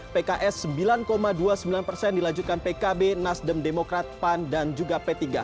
pks sembilan dua puluh sembilan persen dilanjutkan pkb nasdem demokrat pan dan juga p tiga